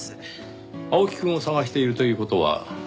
青木くんを捜しているという事は。